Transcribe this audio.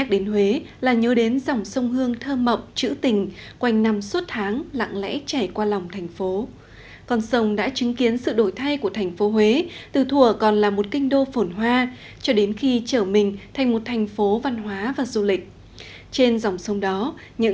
thưa quý vị và các bạn